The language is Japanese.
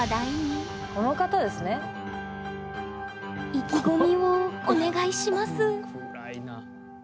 意気込みをお願いします